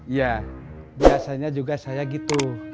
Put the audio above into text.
iya biasanya juga saya gitu